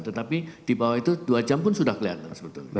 tetapi di bawah itu dua jam pun sudah kelihatan sebetulnya